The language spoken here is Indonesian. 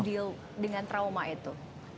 how to deal dengan trauma itu